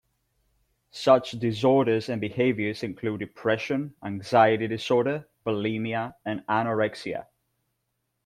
Such disorders and behaviors include depression, anxiety disorder, bulimia and anorexia.